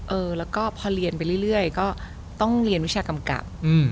เออแล้วก็พอเรียนไปเรื่อยก็ต้องเรียนวิชากำกับ